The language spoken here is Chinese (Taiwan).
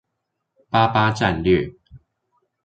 八八戰略